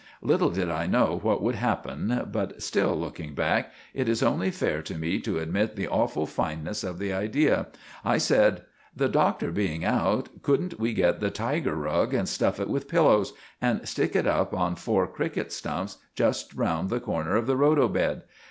Little did I know what would happen, but still, looking back, it is only fair to me to admit the awful fineness of the idea. I said— "The Doctor being out, couldn't we get the tiger rug and stuff it with pillows, and stick it up on four cricket stumps just round the corner of the rhodo. bed?